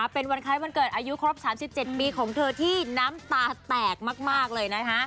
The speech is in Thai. เป็นวันคล้ายวันเกิดอายุครบ๓๗ปีของเธอที่น้ำตาแตกมากเลย